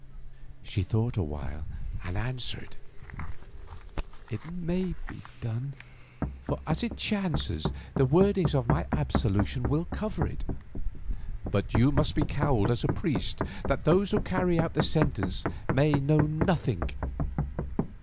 She thought a while and answered: "It may be done, for as it chances the wording of my absolution will cover it. But you must come cowled as a priest, that those who carry out the sentence may know nothing.